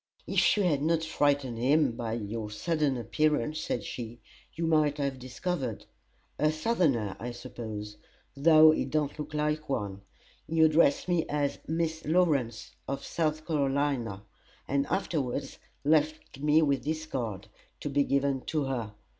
"If you had not frightened him by your sudden appearance," said she, "you might have discovered. A Southerner, I suppose, though he don't look like one. He addressed me as Miss Lawrence, of South Carolina, and afterwards left me his card, to be given to her.